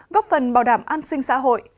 góp phần bảo đảm an sinh xã hội